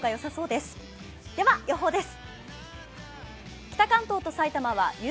では予報です。